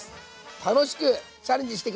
楽しくチャレンジして下さいね。